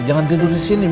jangan tidur disini mie